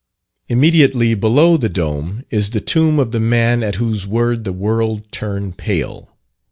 Immediately below the dome is the tomb of the man at whose word the world turned pale.